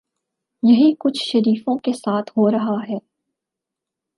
یہی کچھ شریفوں کے ساتھ ہو رہا ہے۔